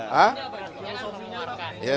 ya itu mengeluarkan